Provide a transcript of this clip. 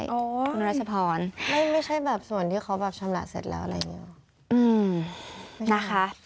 คุณรัชพรไม่ใช่แบบส่วนที่เขาแบบชำระเสร็จแล้วอะไรอย่างนี้นะคะ